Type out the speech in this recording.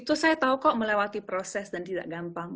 itu saya tahu kok melewati proses dan tidak gampang